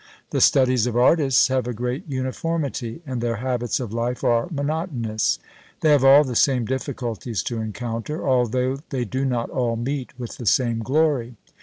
The studies of artists have a great uniformity, and their habits of life are monotonous. They have all the same difficulties to encounter, although they do not all meet with the same glory.